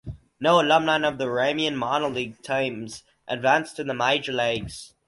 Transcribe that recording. No alumni of the Raymond minor league teams advanced to the major leagues.